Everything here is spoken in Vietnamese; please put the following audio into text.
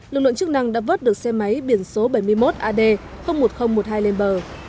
lực lượng chức năng đã vớt được xe máy biển số bảy mươi một ad một nghìn một mươi hai lên bờ